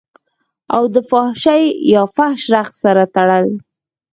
او دفحاشۍ يا فحش رقص سره تړل